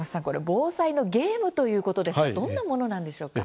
防災のゲームということですがどんなものなんでしょうか？